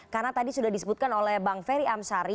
karena tadi sudah disebutkan oleh bang ferry amsari